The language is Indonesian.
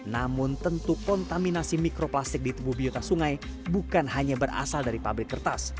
namun tentu kontaminasi mikroplastik di tubuh biota sungai bukan hanya berasal dari pabrik kertas